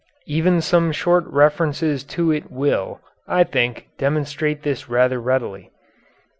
Even some short references to it will, I think, demonstrate this rather readily.